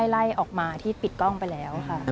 ไล่ออกมาที่ปิดกล้องไปแล้วค่ะ